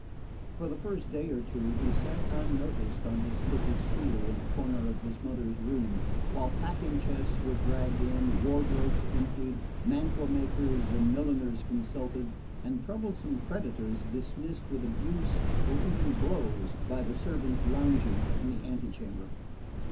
For the first day or two he sat unnoticed on his little stool in a corner of his mother's room, while packing chests were dragged in, wardrobes emptied, mantua makers and milliners consulted, and troublesome creditors dismissed with abuse, or even blows, by the servants lounging in the ante chamber.